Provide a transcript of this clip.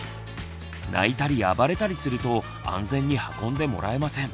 泣いたり暴れたりすると安全に運んでもらえません。